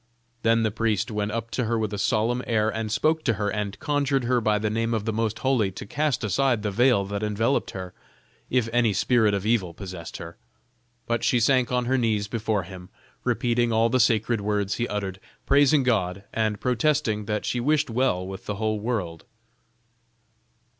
Then the priest went up to her with a solemn air, and spoke to her, and conjured her by the name of the Most Holy to cast aside the veil that enveloped her, if any spirit of evil possessed her. But she sank on her knees before him, repeating all the sacred words he uttered, praising God, and protesting that she wished well with the whole world.